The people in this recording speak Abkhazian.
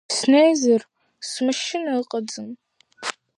Снезар, смашьына аҟаӡым.